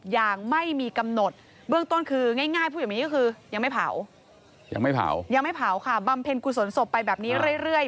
ยังไม่เผาค่ะบำเพ็ญกุศลศพไปแบบนี้เรื่อย